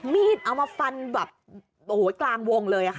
มีดเอามาฟันแบบโอ้โหกลางวงเลยค่ะ